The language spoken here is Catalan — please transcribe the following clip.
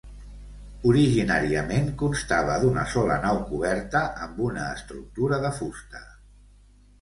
Originàriament constava d'una sola nau coberta amb una estructura de fusta.